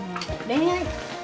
恋愛。